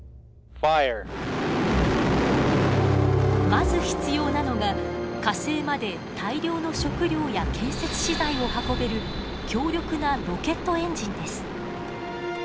まず必要なのが火星まで大量の食糧や建設資材を運べる強力なロケットエンジンです。